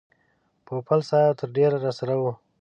پوپل صاحب تر ډېره راسره و.